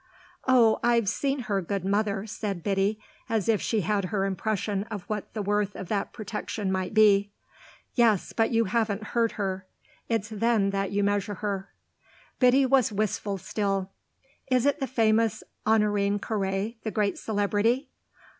"Oh I've seen her good mother!" said Biddy as if she had her impression of what the worth of that protection might be. "Yes, but you haven't heard her. It's then that you measure her." Biddy was wistful still. "Is it the famous Honorine Carré, the great celebrity?"